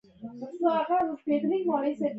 دښته د ښکلا بله بڼه لري.